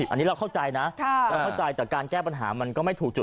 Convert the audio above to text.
อันนี้เราเข้าใจนะเราเข้าใจแต่การแก้ปัญหามันก็ไม่ถูกจุด